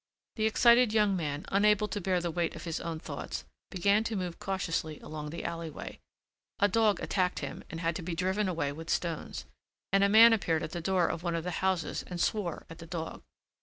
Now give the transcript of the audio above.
The excited young man, unable to bear the weight of his own thoughts, began to move cautiously along the alleyway. A dog attacked him and had to be driven away with stones, and a man appeared at the door of one of the houses and swore at the dog.